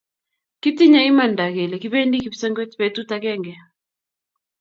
Kitinye imanda kele kibendi kipsengwet betut agenge